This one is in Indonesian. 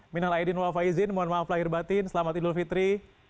minal aidin wafaizin mohon maaf lahir batin selamat idul fitri